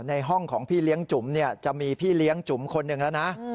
ในห้องของพี่เลี้ยงจุ๋มจะมีพี่เลี้ยงจุ๋มคนหนึ่งแล้วนะ